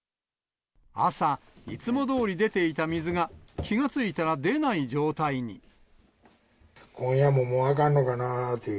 朝、いつもどおり出ていた水が、今夜ももう、あかんのかなぁという。